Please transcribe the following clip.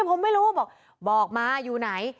ผมไม่รู้บอกบอกมาอยู่ไหน